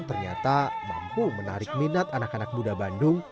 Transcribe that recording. ternyata mampu menarik minat anak anak muda bandung